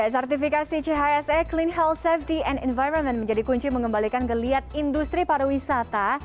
sertifikasi chse clean health safety and environment menjadi kunci mengembalikan geliat industri pariwisata